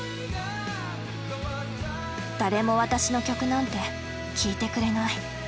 誰も私の曲なんて聴いてくれない。